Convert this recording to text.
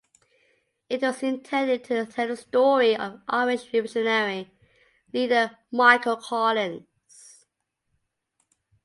It was intended to tell the story of Irish revolutionary leader Michael Collins.